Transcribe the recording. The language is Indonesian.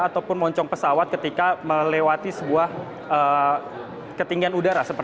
ataupun moncong pesawat ketika melewati sebuah ketinggian udara